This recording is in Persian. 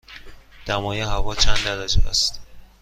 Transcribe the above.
دمای هوا چند درجه است؟